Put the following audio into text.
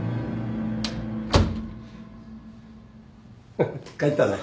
フフ帰ったね。